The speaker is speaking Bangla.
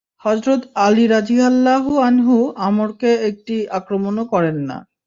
হযরত আলী রাযিয়াল্লাহু আনহু আমরকে একটি আক্রমণও করেন না।